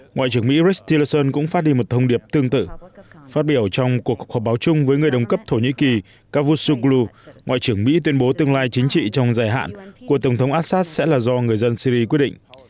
ngoại trưởng mỹ ristillerson cũng phát đi một thông điệp tương tự phát biểu trong cuộc họp báo chung với người đồng cấp thổ nhĩ kỳ cavus suklu ngoại trưởng mỹ tuyên bố tương lai chính trị trong dài hạn của tổng thống assad sẽ là do người dân syri quyết định